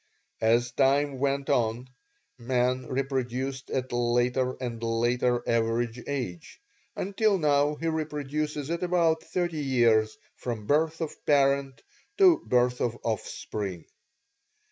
As time went on man reproduced at later and later average age until now he reproduces at about thirty years from birth of parent to birth of offspring.